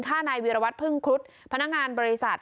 นายวีรวัตรพึ่งครุฑพนักงานบริษัท